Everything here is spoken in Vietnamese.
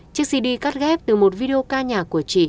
chiếc cd cắt ghép từ một video ca nhạc của chị